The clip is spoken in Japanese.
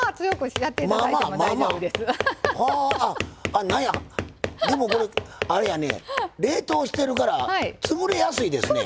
あなんやでもこれあれやね冷凍してるから潰れやすいですね。